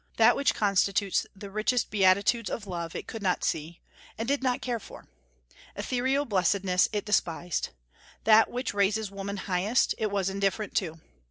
That which constitutes the richest beatitudes of love it could not see, and did not care for. Ethereal blessedness it despised. That which raises woman highest, it was indifferent to.